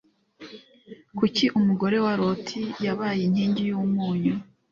Kuki umugore wa Loti yabaye inkingi y umunyu